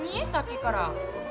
さっきから。